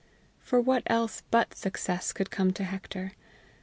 For what else but such success could come to Hector?